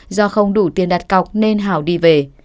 do không đủ tiền đặt cọc nên hảo đi về